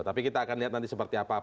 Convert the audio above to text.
tapi kita akan lihat nanti seperti apa